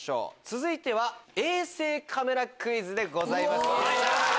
続いては衛星カメラクイズでございます。